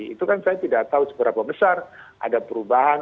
itu kan saya tidak tahu seberapa besar ada perubahan